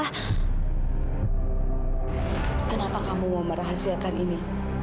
kenapa kamu mau merahasiakan ini